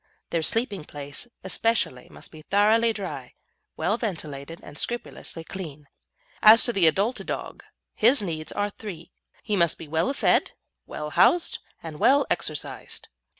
Their sleeping place especially must be thoroughly dry, well ventilated, and scrupulously clean. As to the adult dog, his needs are three: he must be well fed, well housed, and well exercised.